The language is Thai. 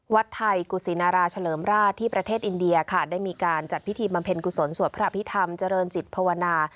วัดไทยกุศินาราเฉลิมราชที่ประเทศอินเดียค่ะได้มีการจัดพิธีบำเพ็ญกุศลสวดพระอภิษฐรรมเจริญจิตภาวนา